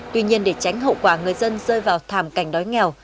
tuy nhiên để tránh hậu quả người dân rơi vào thảm cảnh đói nghèo